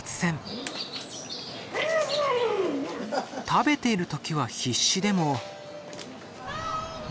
食べている時は必死でも。